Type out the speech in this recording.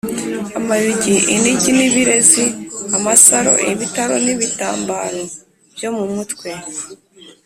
amayugi, inigi n’ibirezi, amasaro, ibitare n’ibitambaro byo mu mutwe,